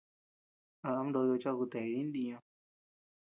A am ndoyo chi a kutea jidi ntiñu.